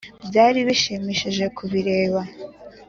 byari bishimishije ku bireba.